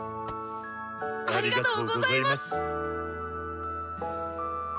ありがとうございます！